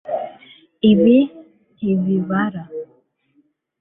ibi ntibibara